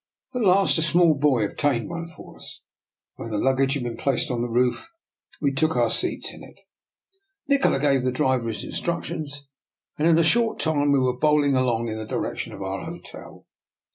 At last a small boy obtained one for us, and when the luggage had been placed <in the roof we took our seats in it. Nikola gave the driver his in structions, and in a short time we were bowl ing along in the direction of our hotel.